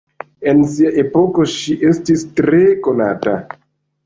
En sia epoko ŝi estis tre konata.